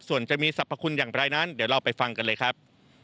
ส่วนจะมีสรรพคุณอย่างไรนั้นเดี๋ยวเราไปฟังกันเลยครับ